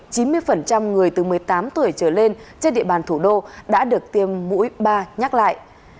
gần một trăm linh người từ một mươi tám tuổi trở lên trên địa bàn thủ đô đã được tiêm mũi ba nhắc lại